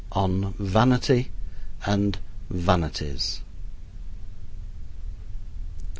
ON VANITY AND VANITIES.